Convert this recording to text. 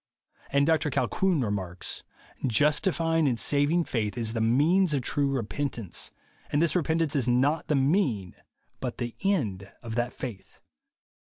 And Dr Colquhoun remarks, "Justifying and saving faith is the mean of true repentance ; and this repentance is not the mean but the end of that faith."